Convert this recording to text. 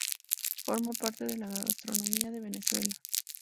Forma parte de la gastronomía de Venezuela.